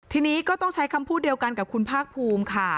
ทีนี้ก็ต้องใช้คำพูดเดียวกันกับคุณภาคภูมิค่ะ